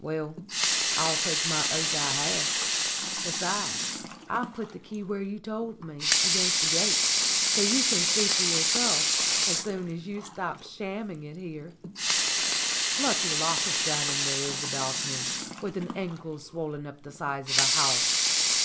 "Well, I'll take my oath I have. Besides, I've put the key where you told me, against the gate; so you can see for yourself, as soon as you stop shamming it here." THE KEY OF THE HEN HOUSE 173 "Plucky lot of shamming there is about me, with an ankle swollen up the size of a house!